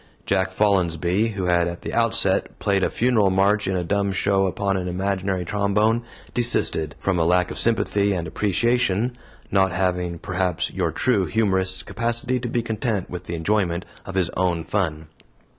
Jack Folinsbee, who had at the outset played a funeral march in dumb show upon an imaginary trombone, desisted, from a lack of sympathy and appreciation not having, perhaps, your true humorist's capacity to be content with the enjoyment of his own fun.